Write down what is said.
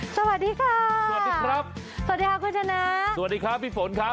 สวัสดีค่ะสวัสดีครับสวัสดีค่ะคุณชนะสวัสดีครับพี่ฝนครับ